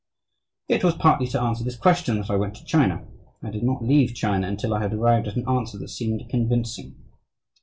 It was partly to answer this question that I went to China. I did not leave China until I had arrived at an answer that seemed convincing.